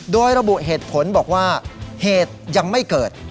โดยระบุเหตุผลบอกว่าเหตุยังไม่เกิด